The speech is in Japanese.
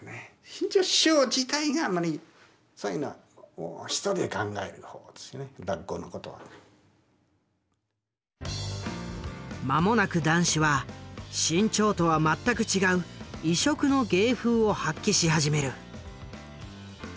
志ん朝師匠自体があんまり間もなく談志は志ん朝とは全く違う異色の芸風を発揮し始める。